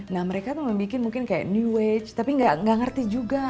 nah mereka tuh membuat mungkin kayak new wage tapi nggak ngerti juga